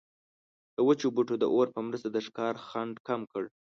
وچو بوټو د اور په مرسته د ښکار خنډ کم کړ.